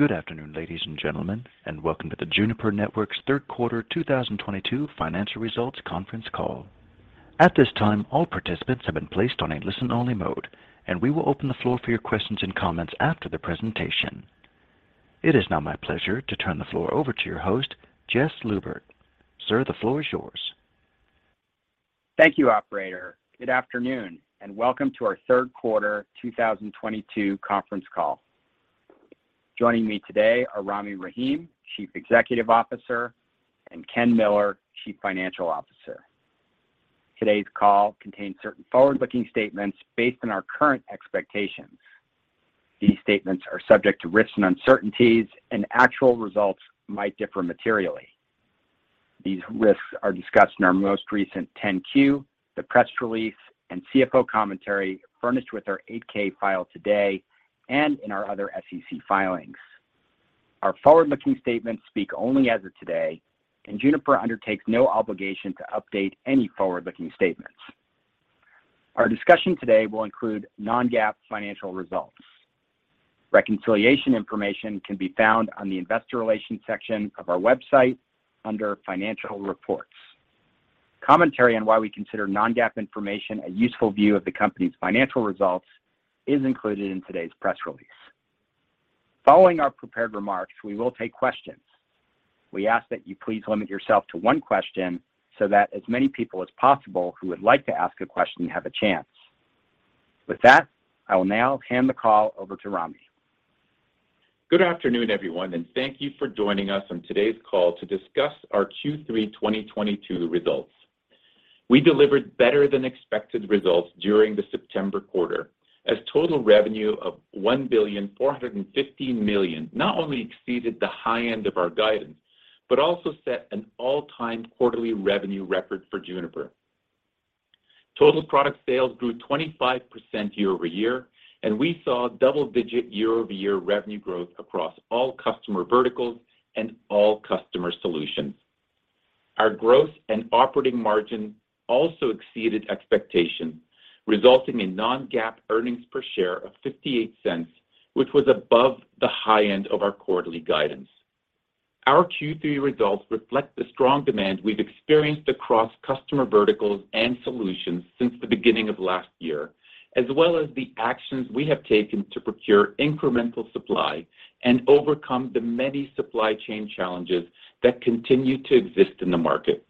Good afternoon, ladies and gentlemen, and welcome to the Juniper Networks Third Quarter 2022 Financial Results conference call. At this time, all participants have been placed on a listen-only mode, and we will open the floor for your questions and comments after the presentation. It is now my pleasure to turn the floor over to your host, Jess Lubert. Sir, the floor is yours. Thank you, operator. Good afternoon, and welcome to our third quarter 2022 conference call. Joining me today are Rami Rahim, Chief Executive Officer, and Ken Miller, Chief Financial Officer. Today's call contains certain forward-looking statements based on our current expectations. These statements are subject to risks and uncertainties, and actual results might differ materially. These risks are discussed in our most recent 10-Q, the press release, and CFO commentary furnished with our 8-K file today and in our other SEC filings. Our forward-looking statements speak only as of today, and Juniper undertakes no obligation to update any forward-looking statements. Our discussion today will include non-GAAP financial results. Reconciliation information can be found on the Investor Relations section of our website under financial reports. Commentary on why we consider non-GAAP information a useful view of the company's financial results is included in today's press release. Following our prepared remarks, we will take questions. We ask that you please limit yourself to one question so that as many people as possible who would like to ask a question have a chance. With that, I will now hand the call over to Rami. Good afternoon, everyone, and thank you for joining us on today's call to discuss our Q3 2022 results. We delivered better than expected results during the September quarter as total revenue of $1.45 billion not only exceeded the high end of our guidance, but also set an all-time quarterly revenue record for Juniper. Total product sales grew 25% year-over-year, and we saw double-digit year-over-year revenue growth across all customer verticals and all customer solutions. Our growth and operating margin also exceeded expectations, resulting in non-GAAP earnings per share of $0.58, which was above the high end of our quarterly guidance. Our Q3 results reflect the strong demand we've experienced across customer verticals and solutions since the beginning of last year, as well as the actions we have taken to procure incremental supply and overcome the many supply chain challenges that continue to exist in the market.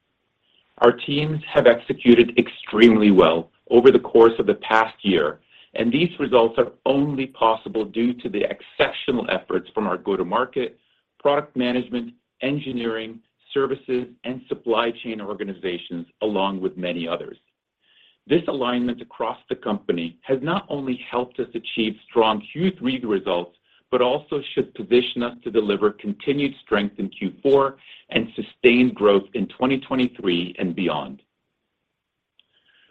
Our teams have executed extremely well over the course of the past year, and these results are only possible due to the exceptional efforts from our go-to-market, product management, engineering, services, and supply chain organizations, along with many others. This alignment across the company has not only helped us achieve strong Q3 results, but also should position us to deliver continued strength in Q4 and sustained growth in 2023 and beyond.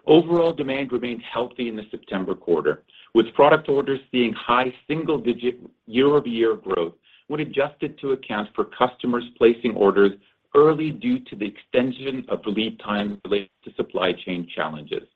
Overall demand remains healthy in the September quarter, with product orders seeing high single digit year-over-year growth when adjusted to account for customers placing orders early due to the extension of lead times related to supply chain challenges.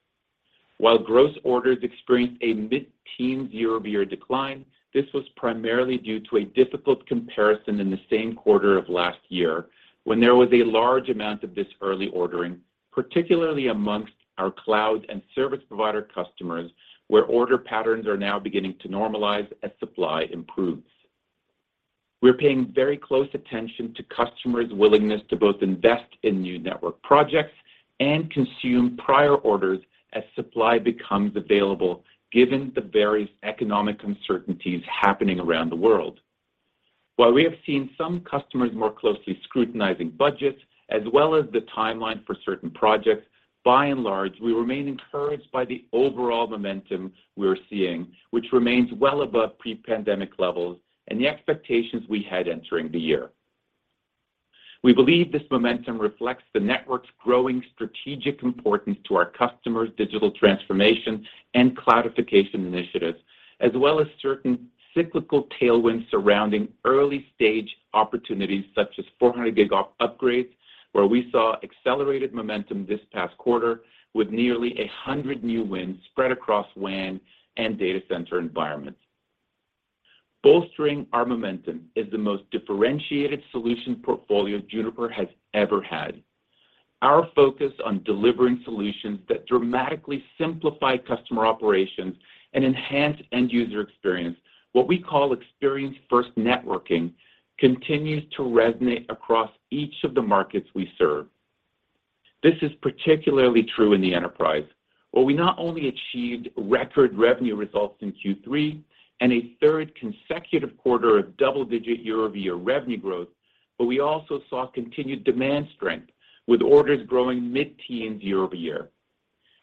While gross orders experienced a mid-teen year-over-year decline, this was primarily due to a difficult comparison in the same quarter of last year when there was a large amount of this early ordering, particularly amongst our cloud and service provider customers, where order patterns are now beginning to normalize as supply improves. We're paying very close attention to customers' willingness to both invest in new network projects and consume prior orders as supply becomes available, given the various economic uncertainties happening around the world. While we have seen some customers more closely scrutinizing budgets as well as the timeline for certain projects, by and large, we remain encouraged by the overall momentum we're seeing, which remains well above pre-pandemic levels and the expectations we had entering the year. We believe this momentum reflects the network's growing strategic importance to our customers' digital transformation and cloudification initiatives, as well as certain cyclical tailwinds surrounding early stage opportunities, such as 400G upgrades, where we saw accelerated momentum this past quarter with nearly 100 new wins spread across WAN and data center environments. Bolstering our momentum is the most differentiated solution portfolio Juniper has ever had. Our focus on delivering solutions that dramatically simplify customer operations and enhance end user experience, what we call experience-first networking, continues to resonate across each of the markets we serve. This is particularly true in the enterprise, where we not only achieved record revenue results in Q3 and a third consecutive quarter of double-digit year-over-year revenue growth, but we also saw continued demand strength with orders growing mid-teens% year over year.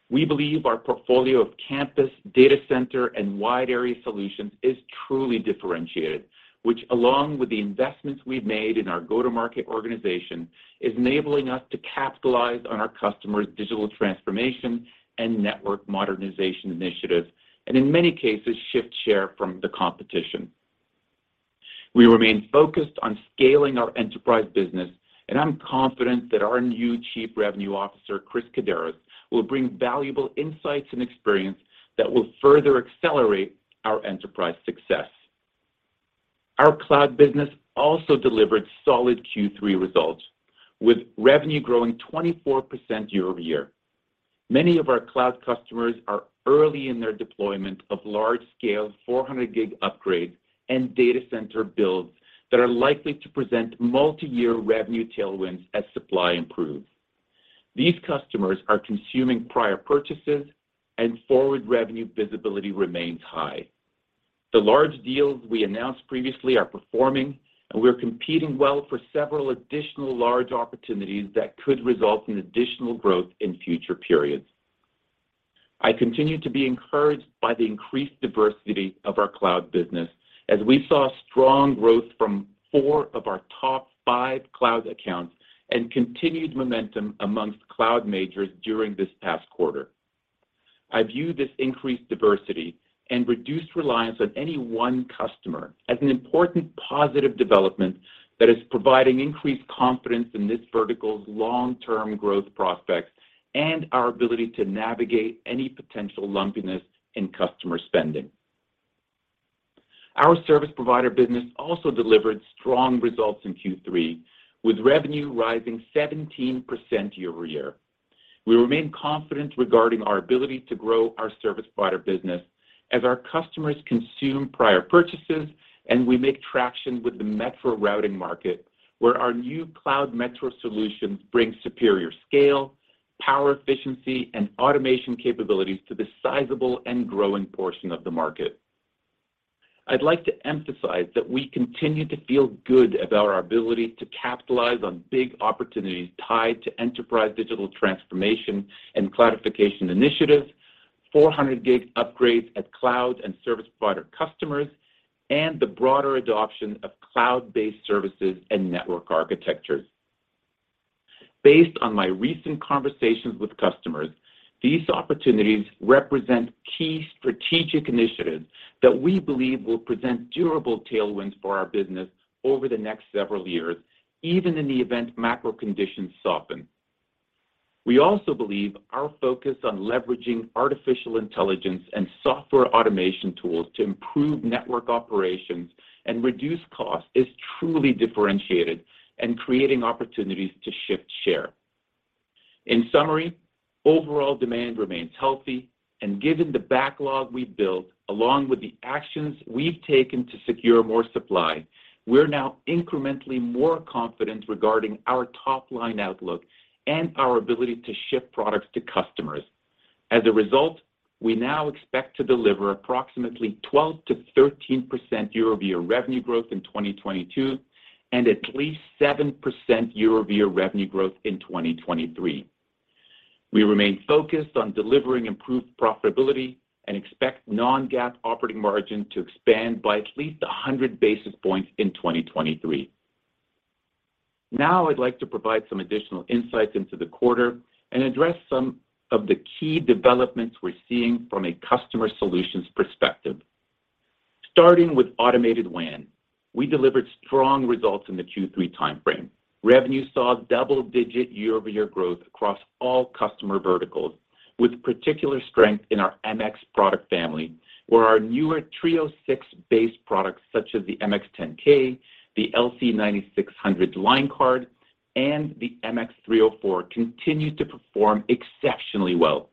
We believe our portfolio of campus, data center, and wide area solutions is truly differentiated, which along with the investments we've made in our go-to-market organization, is enabling us to capitalize on our customers' digital transformation and network modernization initiatives, and in many cases, shift share from the competition. We remain focused on scaling our enterprise business, and I'm confident that our new Chief Revenue Officer, Chris Kaddaras, will bring valuable insights and experience that will further accelerate our enterprise success. Our cloud business also delivered solid Q3 results with revenue growing 24% year over year. Many of our cloud customers are early in their deployment of large-scale 400G upgrades and data center builds that are likely to present multi-year revenue tailwinds as supply improves. These customers are consuming prior purchases and forward revenue visibility remains high. The large deals we announced previously are performing, and we're competing well for several additional large opportunities that could result in additional growth in future periods. I continue to be encouraged by the increased diversity of our cloud business as we saw strong growth from four of our top five cloud accounts and continued momentum amongst cloud majors during this past quarter. I view this increased diversity and reduced reliance on any one customer as an important positive development that is providing increased confidence in this vertical's long-term growth prospects and our ability to navigate any potential lumpiness in customer spending. Our service provider business also delivered strong results in Q3 with revenue rising 17% year-over-year. We remain confident regarding our ability to grow our service provider business as our customers consume prior purchases and we make traction with the metro routing market, where our new Cloud Metro solutions bring superior scale, power efficiency, and automation capabilities to this sizable and growing portion of the market. I'd like to emphasize that we continue to feel good about our ability to capitalize on big opportunities tied to enterprise digital transformation and cloudification initiatives, 400G upgrades at cloud and service provider customers, and the broader adoption of cloud-based services and network architectures. Based on my recent conversations with customers, these opportunities represent key strategic initiatives that we believe will present durable tailwinds for our business over the next several years, even in the event macro conditions soften. We also believe our focus on leveraging artificial intelligence and software automation tools to improve network operations and reduce costs is truly differentiated and creating opportunities to shift share. In summary, overall demand remains healthy, and given the backlog we've built, along with the actions we've taken to secure more supply, we're now incrementally more confident regarding our top-line outlook and our ability to ship products to customers. As a result, we now expect to deliver approximately 12%-13% year-over-year revenue growth in 2022 and at least 7% year-over-year revenue growth in 2023. We remain focused on delivering improved profitability and expect non-GAAP operating margin to expand by at least 100 basis points in 2023. Now I'd like to provide some additional insights into the quarter and address some of the key developments we're seeing from a customer solutions perspective. Starting with automated WAN, we delivered strong results in the Q3 timeframe. Revenue saw double-digit year-over-year growth across all customer verticals, with particular strength in our MX product family, where our newer Trio 6 based products, such as the MX10K, the LC9600 line card, and the MX304, continued to perform exceptionally well.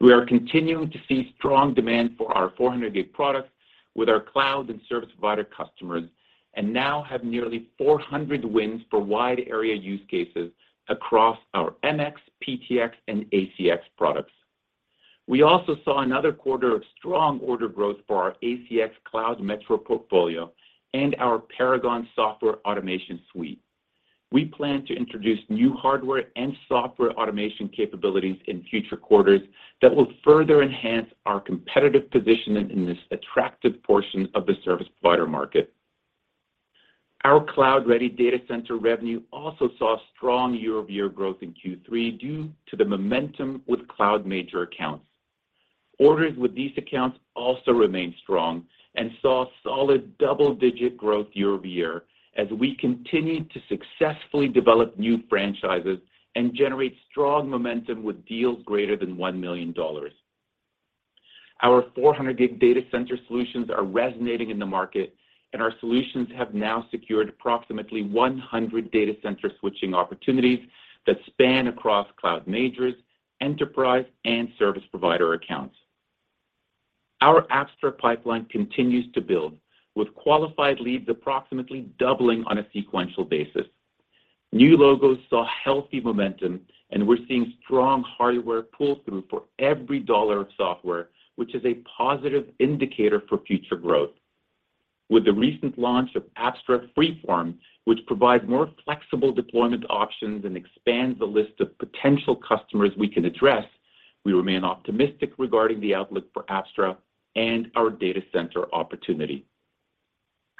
We are continuing to see strong demand for our 400G products with our cloud and service provider customers and now have nearly 400 wins for wide-area use cases across our MX, PTX, and ACX products. We also saw another quarter of strong order growth for our ACX Cloud Metro portfolio and our Paragon Automation suite. We plan to introduce new hardware and software automation capabilities in future quarters that will further enhance our competitive positioning in this attractive portion of the service provider market. Our Cloud-Ready Data Center revenue also saw strong year-over-year growth in Q3 due to the momentum with cloud major accounts. Orders with these accounts also remain strong and saw solid double-digit growth year-over-year as we continued to successfully develop new franchises and generate strong momentum with deals greater than $1 million. Our 400G data center solutions are resonating in the market, and our solutions have now secured approximately 100 data center switching opportunities that span across cloud majors, enterprise, and service provider accounts. Our Apstra pipeline continues to build with qualified leads approximately doubling on a sequential basis. New logos saw healthy momentum, and we're seeing strong hardware pull-through for every dollar of software, which is a positive indicator for future growth. With the recent launch of Apstra Freeform, which provides more flexible deployment options and expands the list of potential customers we can address, we remain optimistic regarding the outlook for Apstra and our data center opportunity.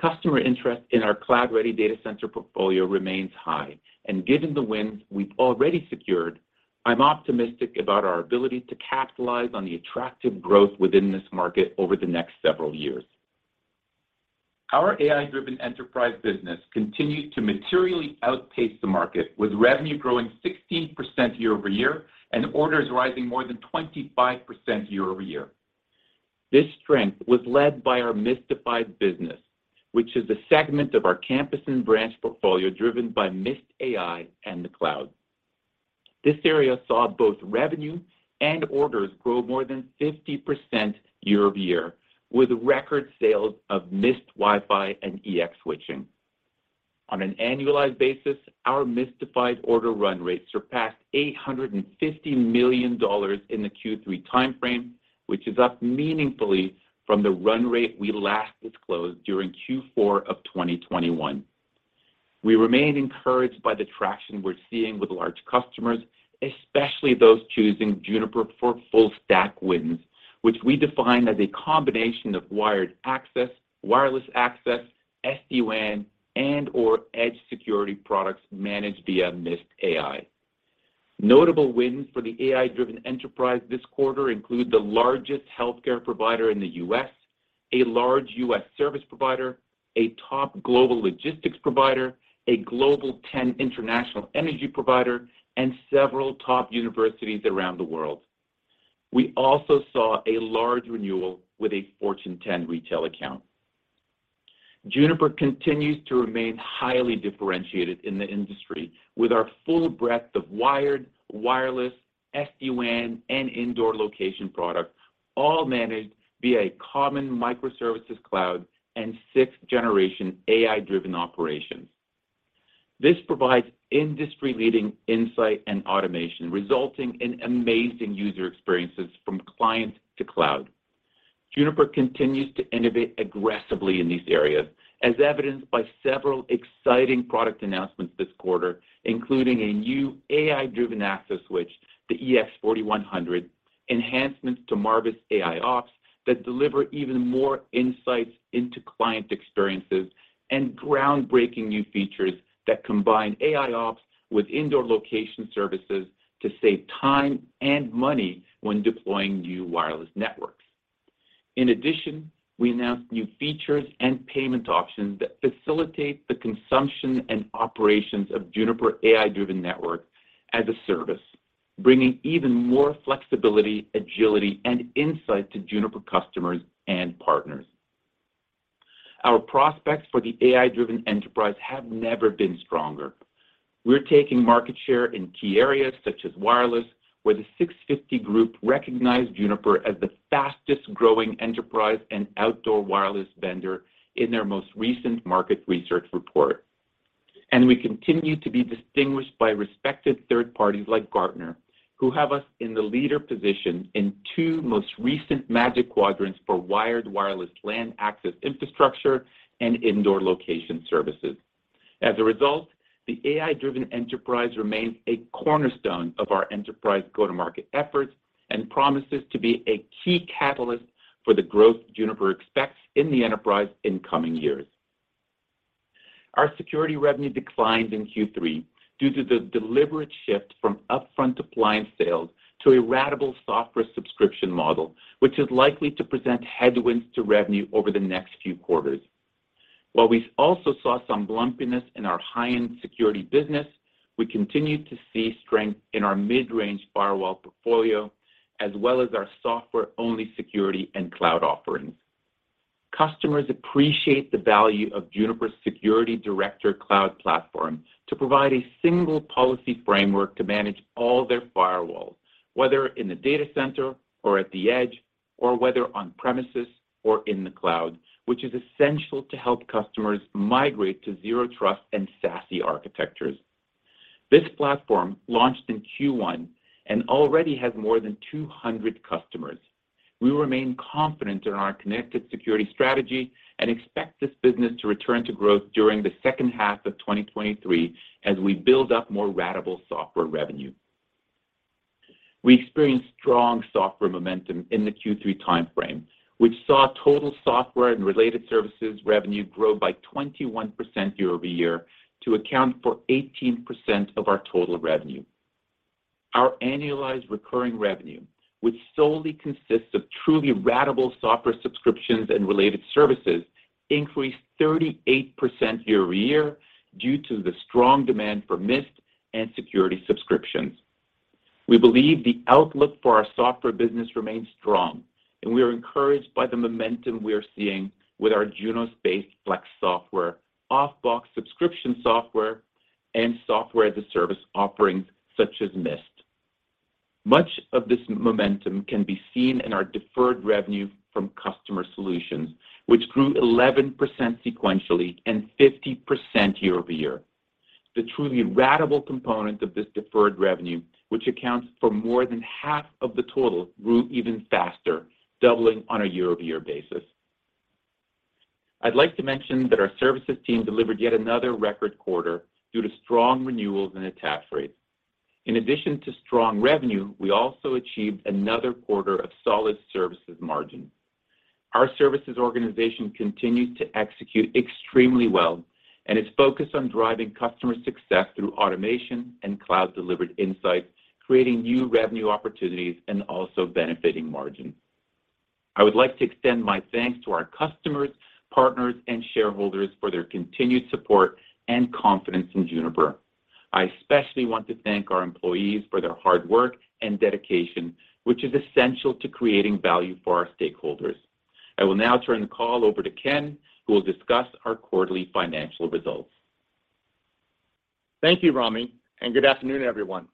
Customer interest in our Cloud-Ready Data Center portfolio remains high and given the wins we've already secured, I'm optimistic about our ability to capitalize on the attractive growth within this market over the next several years. Our AI-Driven Enterprise business continued to materially outpace the market with revenue growing 16% year-over-year and orders rising more than 25% year-over-year. This strength was led by our mistified business, which is the segment of our campus and branch portfolio driven by Mist AI and the cloud. This area saw both revenue and orders grow more than 50% year-over-year, with record sales of Mist Wi-Fi and EX switching. On an annualized basis, our mistified order run rate surpassed $850 million in the Q3 time frame, which is up meaningfully from the run rate we last disclosed during Q4 of 2021. We remain encouraged by the traction we're seeing with large customers, especially those choosing Juniper for full stack wins, which we define as a combination of wired access, wireless access, SD-WAN, and/or edge security products managed via Mist AI. Notable wins for the AI-Driven Enterprise this quarter include the largest healthcare provider in the U.S., a large U.S. service provider, a top global logistics provider, a global 10 international energy provider, and several top universities around the world. We also saw a large renewal with a Fortune 10 retail account. Juniper continues to remain highly differentiated in the industry with our full breadth of wired, wireless, SD-WAN, and indoor location products, all managed via a common microservices cloud and sixth-generation AI-driven operations. This provides industry-leading insight and automation, resulting in amazing user experiences from client to cloud. Juniper continues to innovate aggressively in these areas, as evidenced by several exciting product announcements this quarter, including a new AI-Driven access switch, the EX4100, enhancements to Marvis AIOps that deliver even more insights into client experiences, and groundbreaking new features that combine AIOps with indoor location services to save time and money when deploying new wireless networks. In addition, we announced new features and payment options that facilitate the consumption and operations of Juniper AI-Driven Network as a service, bringing even more flexibility, agility, and insight to Juniper customers and partners. Our prospects for the AI-Driven Enterprise have never been stronger. We're taking market share in key areas such as wireless, where the 650 Group recognized Juniper as the fastest-growing enterprise and outdoor wireless vendor in their most recent market research report. We continue to be distinguished by respected third parties like Gartner, who have us in the leader position in two most recent Magic Quadrants for wired, wireless LAN access infrastructure and indoor location services. As a result, the AI-Driven Enterprise remains a cornerstone of our enterprise go-to-market efforts and promises to be a key catalyst for the growth Juniper expects in the enterprise in coming years. Our security revenue declined in Q3 due to the deliberate shift from upfront appliance sales to a ratable software subscription model, which is likely to present headwinds to revenue over the next few quarters. While we also saw some lumpiness in our high-end security business, we continue to see strength in our mid-range firewall portfolio, as well as our software-only security and cloud offerings. Customers appreciate the value of Juniper's Security Director Cloud platform to provide a single policy framework to manage all their firewalls, whether in the data center or at the edge, or whether on premises or in the cloud, which is essential to help customers migrate to Zero Trust and SASE architectures. This platform launched in Q1 and already has more than 200 customers. We remain confident in our connected security strategy and expect this business to return to growth during the second half of 2023 as we build up more ratable software revenue. We experienced strong software momentum in the Q3 time frame, which saw total software and related services revenue grow by 21% year-over-year to account for 18% of our total revenue. Our annualized recurring revenue, which solely consists of truly ratable software subscriptions and related services, increased 38% year-over-year due to the strong demand for Mist and security subscriptions. We believe the outlook for our software business remains strong, and we are encouraged by the momentum we are seeing with our Junos-based Flex software, off-box subscription software, and software-as-a-service offerings such as Mist. Much of this momentum can be seen in our deferred revenue from customer solutions, which grew 11% sequentially and 50% year-over-year. The truly ratable component of this deferred revenue, which accounts for more than half of the total, grew even faster, doubling on a year-over-year basis. I'd like to mention that our services team delivered yet another record quarter due to strong renewals and attach rates. In addition to strong revenue, we also achieved another quarter of solid services margin. Our services organization continued to execute extremely well and is focused on driving customer success through automation and cloud-delivered insights, creating new revenue opportunities and also benefiting margin. I would like to extend my thanks to our customers, partners, and shareholders for their continued support and confidence in Juniper. I especially want to thank our employees for their hard work and dedication, which is essential to creating value for our stakeholders. I will now turn the call over to Ken, who will discuss our quarterly financial results. Thank you, Rami, and good afternoon, everyone.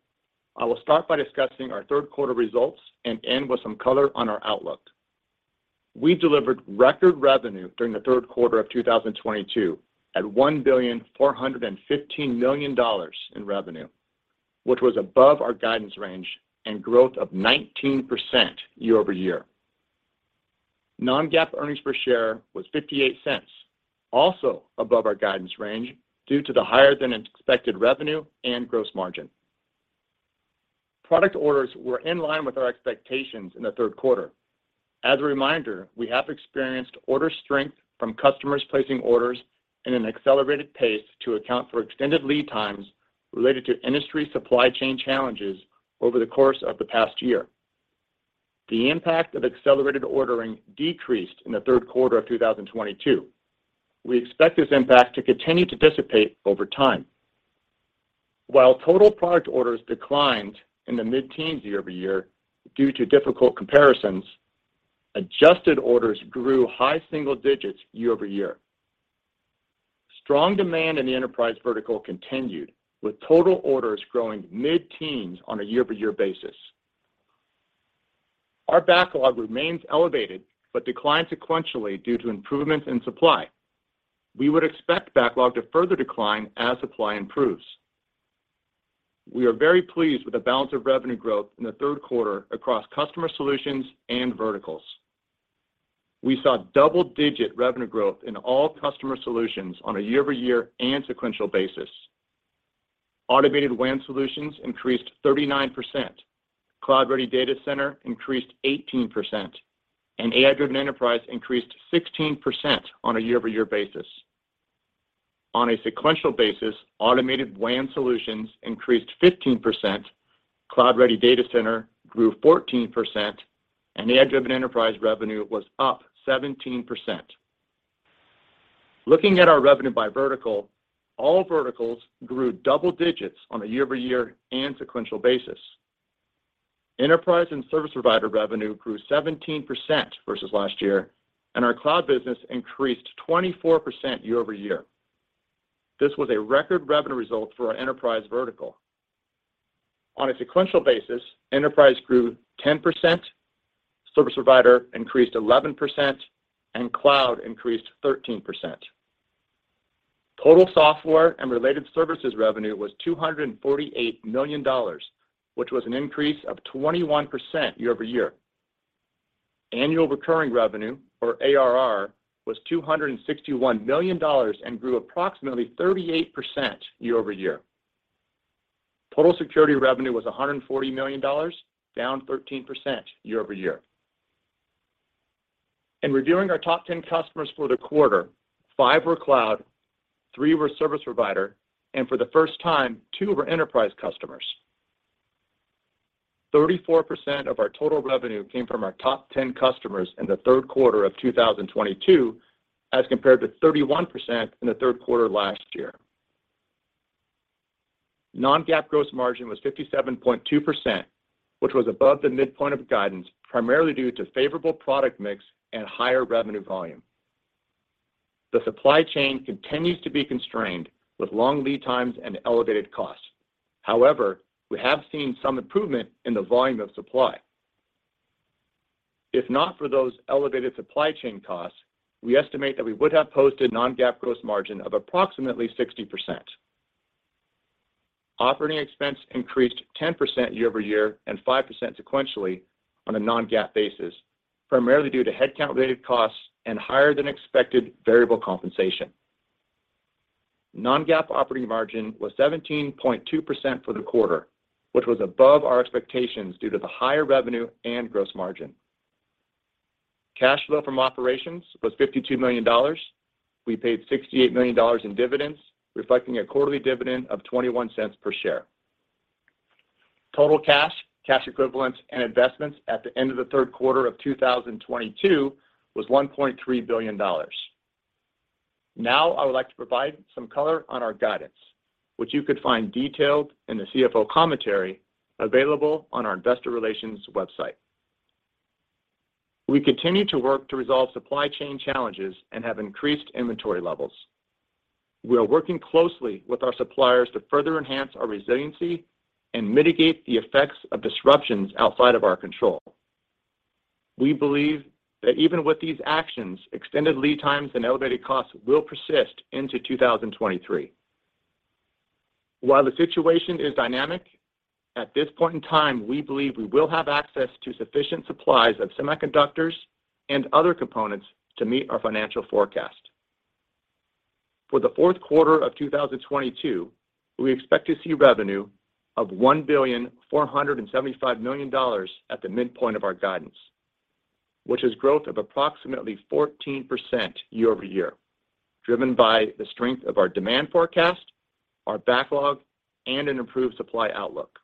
I will start by discussing our third quarter results and end with some color on our outlook. We delivered record revenue during the third quarter of 2022 at $1.415 billion in revenue, which was above our guidance range and 19% growth year-over-year. non-GAAP earnings per share was $0.58, also above our guidance range due to the higher than expected revenue and gross margin. Product orders were in line with our expectations in the third quarter. As a reminder, we have experienced order strength from customers placing orders in an accelerated pace to account for extended lead times related to industry supply chain challenges over the course of the past year. The impact of accelerated ordering decreased in the third quarter of 2022. We expect this impact to continue to dissipate over time. While total product orders declined in the mid-teens year over year due to difficult comparisons, Adjusted orders grew high single digits year over year. Strong demand in the enterprise vertical continued, with total orders growing mid-teens on a year-over-year basis. Our backlog remains elevated but declined sequentially due to improvements in supply. We would expect backlog to further decline as supply improves. We are very pleased with the balance of revenue growth in the third quarter across customer solutions and verticals. We saw double-digit revenue growth in all customer solutions on a year-over-year and sequential basis. Automated WAN solutions increased 39%, Cloud-Ready Data Center increased 18%, and AI-Driven Enterprise increased 16% on a year-over-year basis. On a sequential basis, Automated WAN solutions increased 15%, Cloud-Ready Data Center grew 14%, and AI-Driven Enterprise revenue was up 17%. Looking at our revenue by vertical, all verticals grew double digits on a year-over-year and sequential basis. Enterprise and service provider revenue grew 17% versus last year, and our cloud business increased 24% year over year. This was a record revenue result for our enterprise vertical. On a sequential basis, enterprise grew 10%, service provider increased 11%, and cloud increased 13%. Total software and related services revenue was $248 million, which was an increase of 21% year-over-year. Annual recurring revenue, or ARR, was $261 million and grew approximately 38% year-over-year. Total security revenue was $140 million, down 13% year-over-year. In reviewing our top 10 customers for the quarter, five were cloud, three were service provider, and for the first time, two were enterprise customers. 34% of our total revenue came from our top 10 customers in the third quarter of 2022 as compared to 31% in the third quarter last year. Non-GAAP gross margin was 57.2%, which was above the midpoint of guidance, primarily due to favorable product mix and higher revenue volume. The supply chain continues to be constrained with long lead times and elevated costs. However, we have seen some improvement in the volume of supply. If not for those elevated supply chain costs, we estimate that we would have posted Non-GAAP gross margin of approximately 60%. Operating expense increased 10% year-over-year and 5% sequentially on a non-GAAP basis, primarily due to headcount-related costs and higher than expected variable compensation. Non-GAAP operating margin was 17.2% for the quarter, which was above our expectations due to the higher revenue and gross margin. Cash flow from operations was $52 million. We paid $68 million in dividends, reflecting a quarterly dividend of $0.21 per share. Total cash equivalents, and investments at the end of the third quarter of 2022 was $1.3 billion. Now I would like to provide some color on our guidance, which you can find detailed in the CFO commentary available on our Investor Relations website. We continue to work to resolve supply chain challenges and have increased inventory levels. We are working closely with our suppliers to further enhance our resiliency and mitigate the effects of disruptions outside of our control. We believe that even with these actions, extended lead times and elevated costs will persist into 2023. While the situation is dynamic, at this point in time, we believe we will have access to sufficient supplies of semiconductors and other components to meet our financial forecast. For the fourth quarter of 2022, we expect to see revenue of $1.475 billion at the midpoint of our guidance, which is growth of approximately 14% year-over-year, driven by the strength of our demand forecast, our backlog, and an improved supply outlook.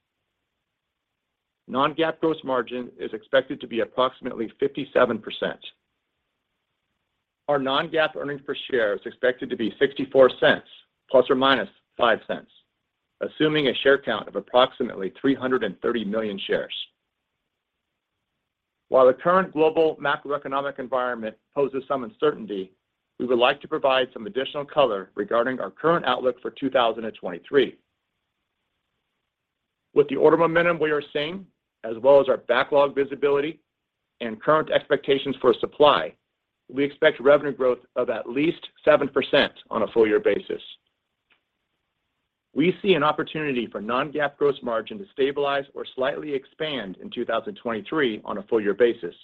Non-GAAP gross margin is expected to be approximately 57%. Our non-GAAP earnings per share is expected to be $0.64 ± $0.05, assuming a share count of approximately 330 million shares. While the current global macroeconomic environment poses some uncertainty, we would like to provide some additional color regarding our current outlook for 2023. With the order momentum we are seeing, as well as our backlog visibility and current expectations for supply, we expect revenue growth of at least 7% on a full year basis. We see an opportunity for non-GAAP gross margin to stabilize or slightly expand in 2023 on a full year basis.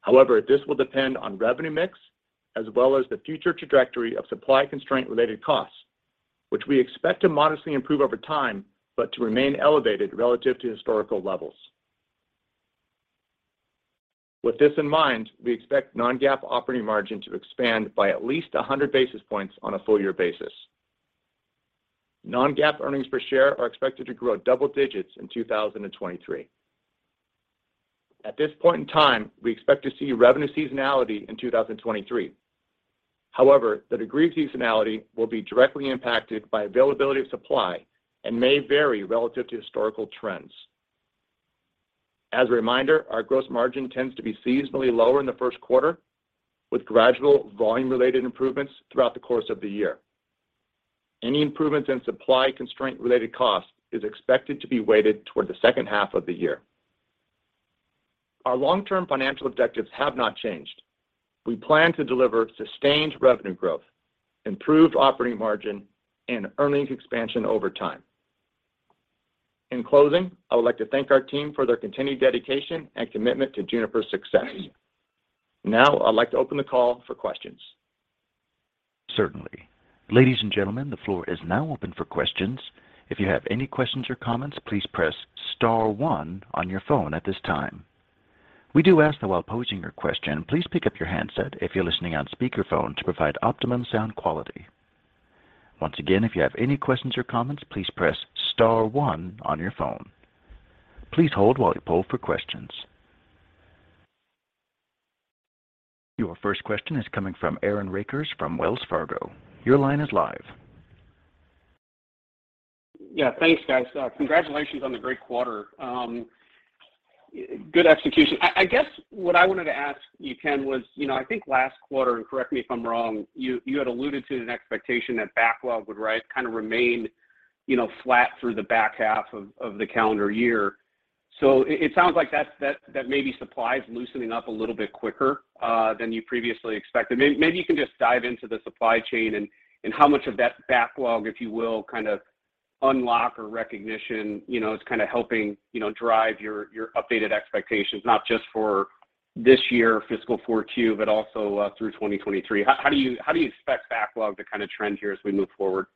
However, this will depend on revenue mix as well as the future trajectory of supply constraint-related costs, which we expect to modestly improve over time, but to remain elevated relative to historical levels. With this in mind, we expect non-GAAP operating margin to expand by at least 100 basis points on a full year basis. Non-GAAP earnings per share are expected to grow double digits in 2023. At this point in time, we expect to see revenue seasonality in 2023. However, the degree of seasonality will be directly impacted by availability of supply and may vary relative to historical trends. As a reminder, our gross margin tends to be seasonally lower in the first quarter, with gradual volume-related improvements throughout the course of the year. Any improvements in supply constraint-related costs is expected to be weighted toward the second half of the year. Our long-term financial objectives have not changed. We plan to deliver sustained revenue growth, improved operating margin, and earnings expansion over time. In closing, I would like to thank our team for their continued dedication and commitment to Juniper's success. Now I'd like to open the call for questions. Certainly. Ladies and gentlemen, the floor is now open for questions. If you have any questions or comments, please press star one on your phone at this time. We do ask that while posing your question, please pick up your handset if you're listening on speaker phone to provide optimum sound quality. Once again, if you have any questions or comments, please press star one on your phone. Please hold while we poll for questions. Your first question is coming from Aaron Rakers from Wells Fargo. Your line is live. Yeah, thanks, guys. Congratulations on the great quarter. Good execution. I guess what I wanted to ask you, Ken, was, you know, I think last quarter, and correct me if I'm wrong, you had alluded to an expectation that backlog would, right, kind of remain, you know, flat through the back half of the calendar year. It sounds like that maybe supply is loosening up a little bit quicker than you previously expected. Maybe you can just dive into the supply chain and how much of that backlog, if you will, kind of unlock or recognition, you know, is kinda helping, you know, drive your updated expectations, not just for this year fiscal 2022, but also through 2023. How do you expect backlog to kind of trend here as we move forward?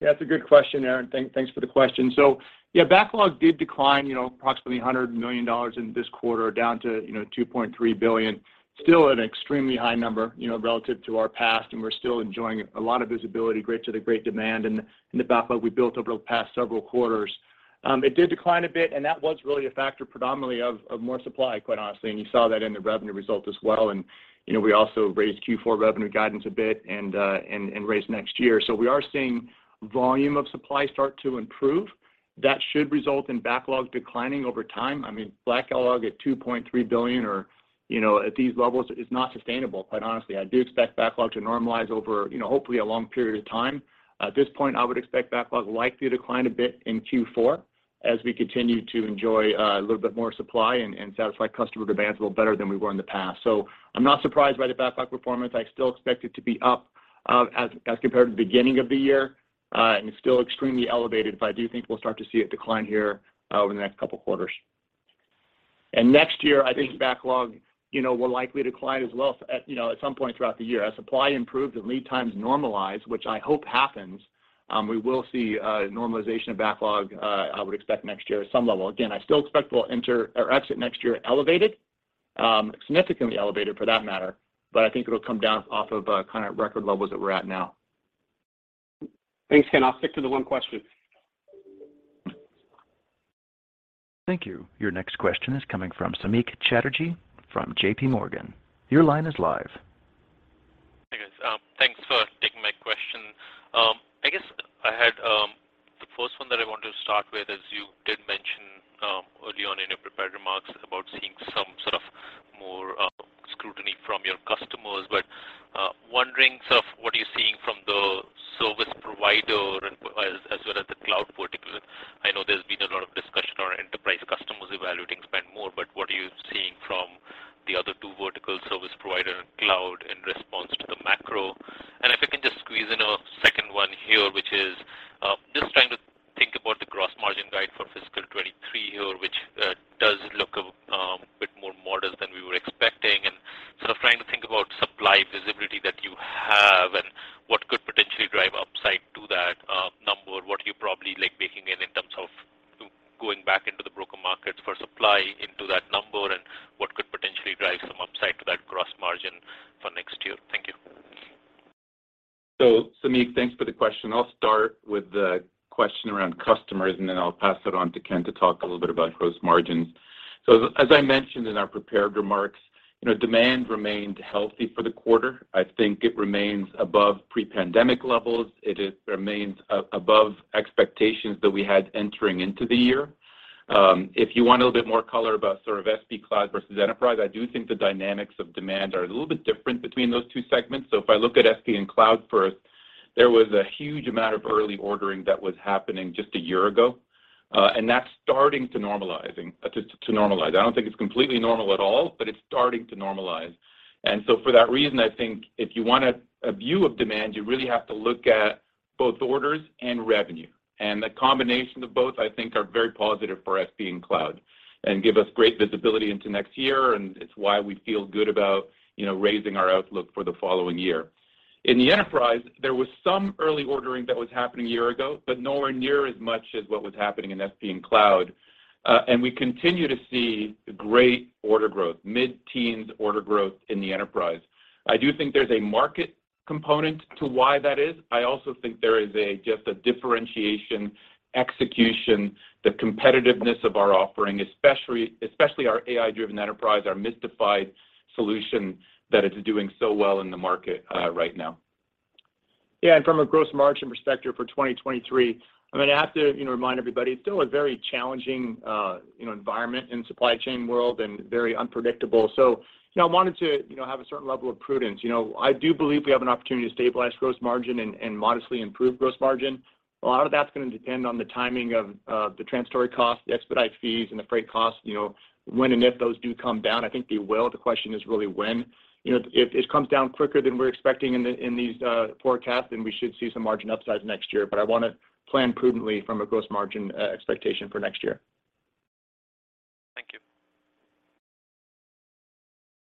That's a good question, Aaron. Thanks for the question. So yeah, backlog did decline, you know, approximately $100 million in this quarter down to, you know, $2.3 billion. Still an extremely high number, you know, relative to our past, and we're still enjoying a lot of visibility due to the great demand and the backlog we built over the past several quarters. It did decline a bit, and that was really a factor predominantly of more supply, quite honestly, and you saw that in the revenue results as well. You know, we also raised Q4 revenue guidance a bit and raised next year. We are seeing volume of supply start to improve. That should result in backlog declining over time. I mean, backlog at $2.3 billion or, you know, at these levels is not sustainable, quite honestly. I do expect backlog to normalize over, you know, hopefully a long period of time. At this point, I would expect backlog likely to decline a bit in Q4 as we continue to enjoy a little bit more supply and satisfy customer demands a little better than we were in the past. I'm not surprised by the backlog performance. I still expect it to be up, as compared to the beginning of the year, and it's still extremely elevated, but I do think we'll start to see it decline here over the next couple quarters. Next year, I think backlog, you know, will likely decline as well at, you know, at some point throughout the year. As supply improves and lead times normalize, which I hope happens, we will see normalization of backlog, I would expect next year at some level. Again, I still expect we'll enter or exit next year elevated, significantly elevated for that matter, but I think it'll come down off of, kind of record levels that we're at now. Thanks, Ken. I'll stick to the one question. Thank you. Your next question is coming from Samik Chatterjee from J.P. Morgan. Your line is live. Hey, guys. Thanks for taking my question. I guess I had the first one that I wanted to start with is you did mention early on in your prepared remarks about seeing some sort of more scrutiny from your customers, but wondering sort of what are you seeing from the service provider as well as the cloud vertical. I know there's been a lot of discussion on enterprise customers evaluating spend more, but what are you seeing from the other two vertical service provider cloud in response to the macro? If I can just squeeze in a second one here, which is just trying to think about the gross margin guide for fiscal 2023 here, which does look a bit more modest than we were expecting. Sort of trying to think about supply visibility that you have and what could potentially drive upside to that number. What are you probably, like, baking in in terms of going back into the broker markets for supply into that number, and what could potentially drive some upside to that gross margin for next year? Thank you. Samik, thanks for the question. I'll start with the question around customers, and then I'll pass it on to Ken to talk a little bit about gross margins. As I mentioned in our prepared remarks, you know, demand remained healthy for the quarter. I think it remains above pre-pandemic levels. It remains above expectations that we had entering into the year. If you want a little bit more color about sort of SP Cloud and Enterprise, I do think the dynamics of demand are a little bit different between those two segments. If I look at SP and cloud first, there was a huge amount of early ordering that was happening just a year ago, and that's starting to normalize. I don't think it's completely normal at all, but it's starting to normalize. For that reason, I think if you want a view of demand, you really have to look at both orders and revenue. The combination of both, I think, are very positive for SP and cloud and give us great visibility into next year, and it's why we feel good about, you know, raising our outlook for the following year. In the enterprise, there was some early ordering that was happening a year ago, but nowhere near as much as what was happening in SP and cloud. And we continue to see great order growth, mid-teens order growth in the enterprise. I do think there's a market component to why that is. I also think there is a just a differentiation execution, the competitiveness of our offering, especially our AI-Driven Enterprise, our mistified solution that is doing so well in the market, right now. Yeah, from a gross margin perspective for 2023, I mean, I have to, you know, remind everybody it's still a very challenging, you know, environment in supply chain world and very unpredictable. You know, I wanted to, you know, have a certain level of prudence. You know, I do believe we have an opportunity to stabilize gross margin and modestly improve gross margin. A lot of that's gonna depend on the timing of the transportation cost, the expedite fees, and the freight costs. You know, when and if those do come down. I think they will. The question is really when. You know, if it comes down quicker than we're expecting in these forecasts, then we should see some margin upside next year. I wanna plan prudently from a gross margin expectation for next year. Thank you.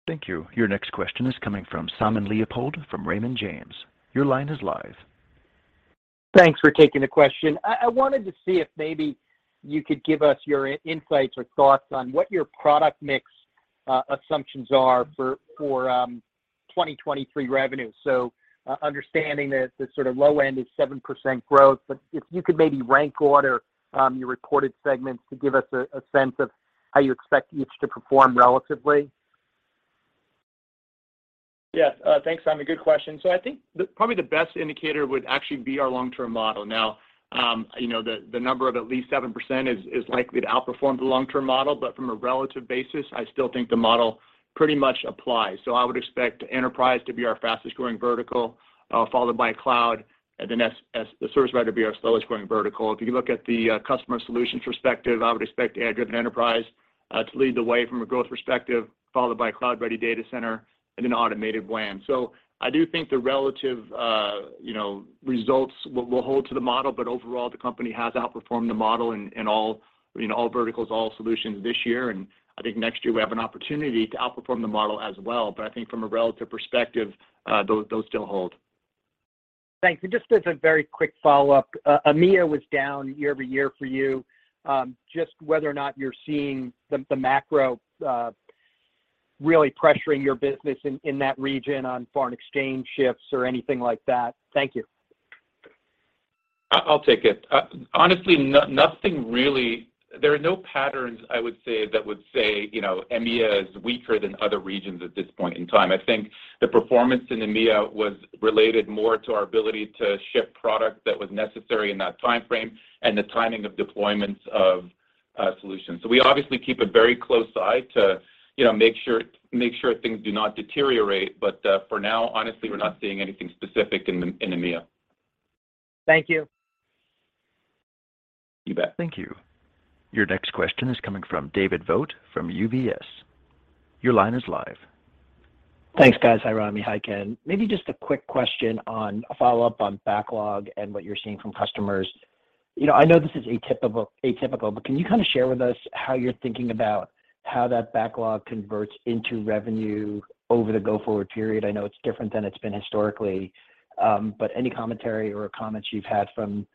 Thank you. Your next question is coming from Simon Leopold from Raymond James. Your line is live. Thanks for taking the question. I wanted to see if maybe you could give us your insights or thoughts on what your product mix assumptions are for 2023 revenue. Understanding the sort of low end is 7% growth. If you could maybe rank order your reported segments to give us a sense of how you expect each to perform relatively. Yeah. Thanks, Simon. Good question. I think probably the best indicator would actually be our long-term model. Now, you know, the number of at least 7% is likely to outperform the long-term model. From a relative basis, I still think the model pretty much applies. I would expect enterprise to be our fastest growing vertical, followed by cloud, and then service provider to be our slowest growing vertical. If you look at the customer solutions perspective, I would expect AI-Driven Enterprise to lead the way from a growth perspective, followed by Cloud-Ready Data Center and an automated WAN. I do think the relative, you know, results will hold to the model, but overall, the company has outperformed the model in all, you know, all verticals, all solutions this year. I think next year we have an opportunity to outperform the model as well. I think from a relative perspective, those still hold. Thanks. Just as a very quick follow-up, EMEA was down year-over-year for you. Just whether or not you're seeing the macro really pressuring your business in that region on foreign exchange shifts or anything like that. Thank you. I'll take it. Honestly, nothing really. There are no patterns I would say that would say, you know, EMEA is weaker than other regions at this point in time. I think the performance in EMEA was related more to our ability to ship product that was necessary in that timeframe and the timing of deployments of solutions. We obviously keep a very close eye to, you know, make sure things do not deteriorate. For now, honestly, we're not seeing anything specific in EMEA. Thank you. You bet. Thank you. Your next question is coming from David Vogt from UBS. Your line is live. Thanks, guys. Hi, Rami. Hi, Ken. Maybe just a quick question on a follow-up on backlog and what you're seeing from customers. You know, I know this is atypical, but can you kind of share with us how you're thinking about how that backlog converts into revenue over the go-forward period? I know it's different than it's been historically, but any commentary or comments you've had from,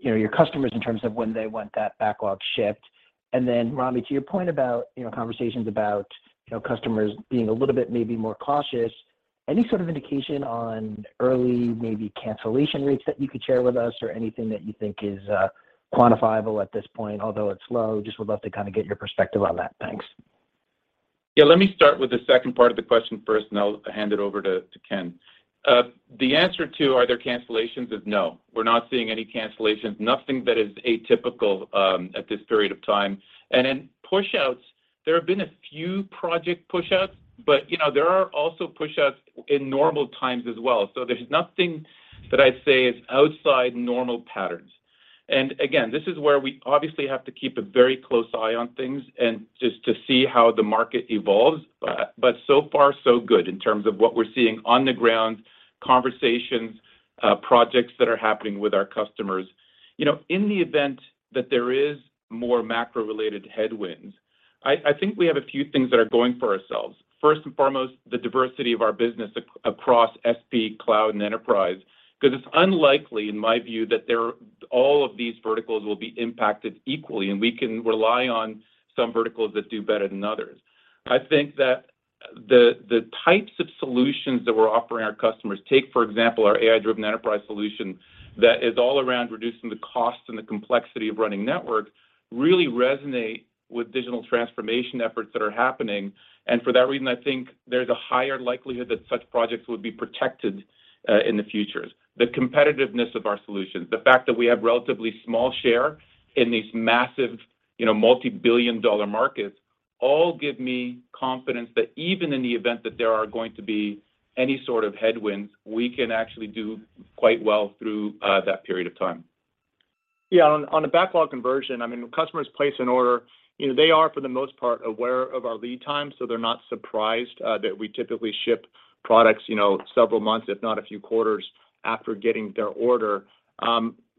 you know, your customers in terms of when they want that backlog shipped. Then Rami, to your point about, you know, conversations about, you know, customers being a little bit maybe more cautious, any sort of indication on early maybe cancellation rates that you could share with us or anything that you think is quantifiable at this point, although it's low? Just would love to kinda get your perspective on that. Thanks. Yeah, let me start with the second part of the question first, and I'll hand it over to Ken. The answer to are there cancellations is no. We're not seeing any cancellations. Nothing that is atypical at this period of time. Then pushouts, there have been a few project pushouts, but you know, there are also pushouts in normal times as well. There's nothing that I'd say is outside normal patterns. Again, this is where we obviously have to keep a very close eye on things and just to see how the market evolves. So far so good in terms of what we're seeing on the ground, conversations, projects that are happening with our customers. You know, in the event that there is more macro-related headwinds, I think we have a few things that are going for ourselves. First and foremost, the diversity of our business across SP, Cloud, and Enterprise, 'cause it's unlikely, in my view, that all of these verticals will be impacted equally, and we can rely on some verticals that do better than others. I think that The types of solutions that we're offering our customers, take, for example, our AI-Driven Enterprise solution that is all around reducing the cost and the complexity of running networks, really resonate with digital transformation efforts that are happening. For that reason, I think there's a higher likelihood that such projects would be protected in the future. The competitiveness of our solutions, the fact that we have relatively small share in these massive, you know, multi-billion-dollar markets all give me confidence that even in the event that there are going to be any sort of headwinds, we can actually do quite well through that period of time. Yeah, on the backlog conversion, I mean, when customers place an order, you know, they are, for the most part, aware of our lead time, so they're not surprised that we typically ship products, you know, several months, if not a few quarters after getting their order.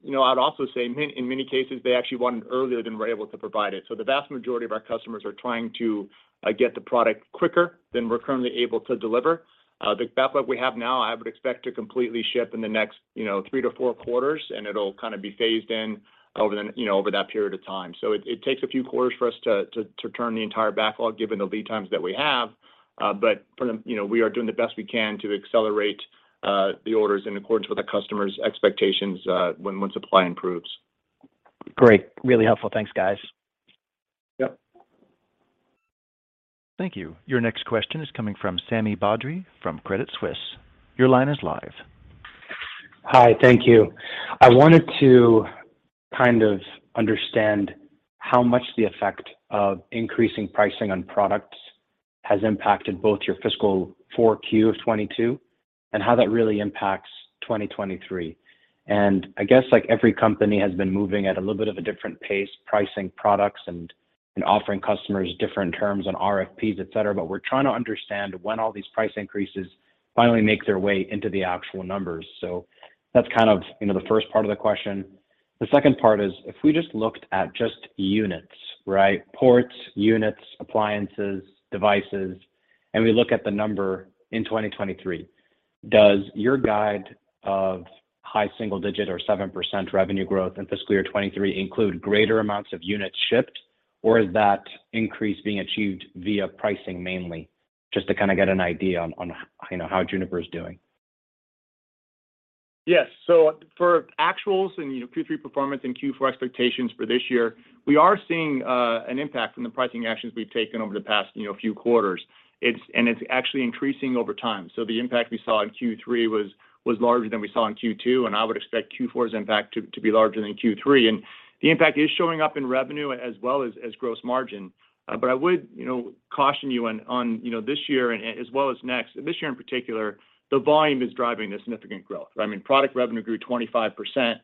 You know, I'd also say in many cases, they actually want it earlier than we're able to provide it. The vast majority of our customers are trying to get the product quicker than we're currently able to deliver. The backlog we have now, I would expect to completely ship in the next 3-4 quarters, and it'll kind of be phased in over that period of time. It takes a few quarters for us to turn the entire backlog given the lead times that we have. You know, we are doing the best we can to accelerate the orders in accordance with the customers' expectations when supply improves. Great. Really helpful. Thanks, guys. Yep. Thank you. Your next question is coming from Sami Badri from Credit Suisse. Your line is live. Hi. Thank you. I wanted to kind of understand how much the effect of increasing pricing on products has impacted both your fiscal 4Q of 2022, and how that really impacts 2023. I guess, like every company has been moving at a little bit of a different pace, pricing products and offering customers different terms on RFPs, et cetera, but we're trying to understand when all these price increases finally make their way into the actual numbers. That's kind of, you know, the first part of the question. The second part is, if we just looked at just units, right? Ports, units, appliances, devices, and we look at the number in 2023, does your guide of high single digit or 7% revenue growth in fiscal year 2023 include greater amounts of units shipped, or is that increase being achieved via pricing mainly? Just to kind of get an idea on, you know, how Juniper is doing. Yes. For actuals in, you know, Q3 performance and Q4 expectations for this year, we are seeing an impact from the pricing actions we've taken over the past, you know, few quarters. It's actually increasing over time. The impact we saw in Q3 was larger than we saw in Q2, and I would expect Q4's impact to be larger than Q3. The impact is showing up in revenue as well as gross margin. I would, you know, caution you on, you know, this year as well as next. This year in particular, the volume is driving the significant growth. I mean, product revenue grew 25%,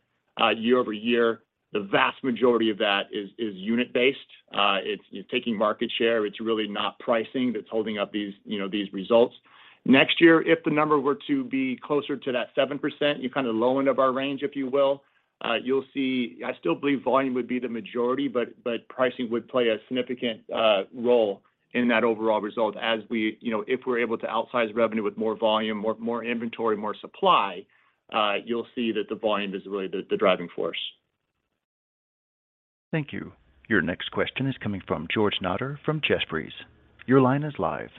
year-over-year. The vast majority of that is unit-based. It's you're taking market share. It's really not pricing that's holding up these, you know, these results. Next year, if the number were to be closer to that 7%, your kind of low end of our range, if you will, you'll see. I still believe volume would be the majority, but pricing would play a significant role in that overall result as we, you know, if we're able to outsize revenue with more volume, more inventory, more supply, you'll see that the volume is really the driving force. Thank you. Your next question is coming from George Notter from Jefferies. Your line is live.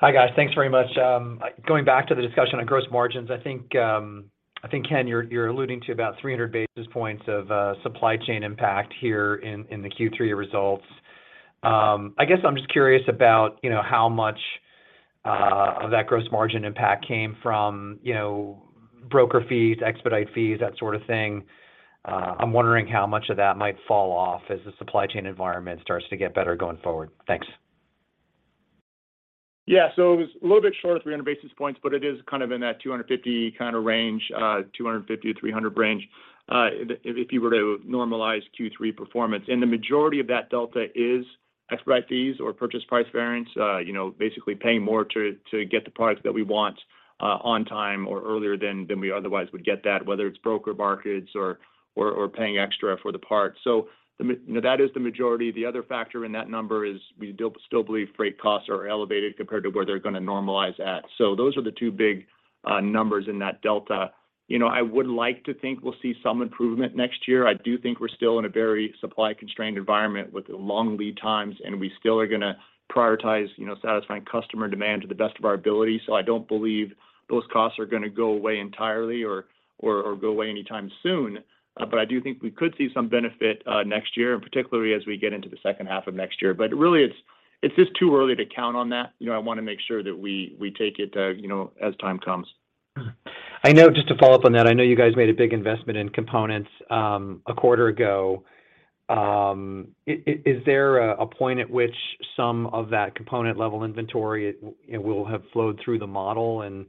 Hi, guys. Thanks very much. Going back to the discussion on gross margins, I think, Ken, you're alluding to about 300 basis points of supply chain impact here in the Q3 results. I guess I'm just curious about, you know, how much of that gross margin impact came from, you know, broker fees, expedite fees, that sort of thing. I'm wondering how much of that might fall off as the supply chain environment starts to get better going forward. Thanks. Yeah. It was a little bit short of 300 basis points, but it is kind of in that 250 kind of range, 250-300 range, if you were to normalize Q3 performance. The majority of that delta is expedite fees or purchase price variance, you know, basically paying more to get the products that we want on time or earlier than we otherwise would get that, whether it's broker markets or paying extra for the part. You know, that is the majority. The other factor in that number is we still believe freight costs are elevated compared to where they're gonna normalize at. Those are the two big numbers in that delta. You know, I would like to think we'll see some improvement next year. I do think we're still in a very supply-constrained environment with long lead times, and we still are gonna prioritize, you know, satisfying customer demand to the best of our ability. I don't believe those costs are gonna go away entirely or go away anytime soon. I do think we could see some benefit next year, and particularly as we get into the second half of next year. Really, it's just too early to count on that. You know, I wanna make sure that we take it, you know, as time comes. I know, just to follow up on that, I know you guys made a big investment in components, a quarter ago. Is there a point at which some of that component level inventory will have flowed through the model, and